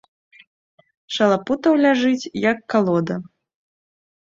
Шалапутаў ляжыць, як калода.